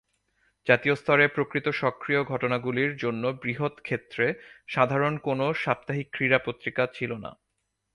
জাতীয় স্তরে প্রকৃত সক্রিয় ঘটনাগুলির জন্য বৃহত-ক্ষেত্রে সাধারণ কোনও সাপ্তাহিক ক্রীড়া পত্রিকা ছিল না।